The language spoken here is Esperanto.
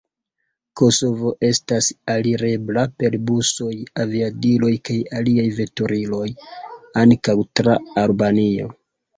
Kosovo estas alirebla per busoj, aviadiloj kaj aliaj veturiloj, ankaŭ tra Albanio.